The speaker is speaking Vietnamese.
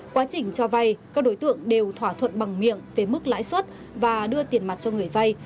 quá trình cho vay các đối tượng đều thỏa thuận bằng miệng về mức lãi suất và đưa tiền mặt cho người vay